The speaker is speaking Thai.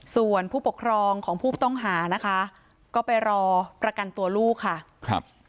ส่วนผู้ปกครองของผู้ต้องหานะคะก็ไปรอประกันตัวลูกค่ะครับ